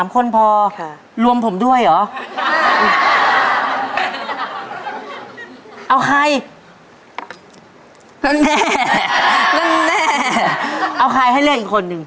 ๓คนพอรวมผมด้วยเหรอเอาใครนั่นแน่เอาใครให้เล่นอีกคนหนึ่ง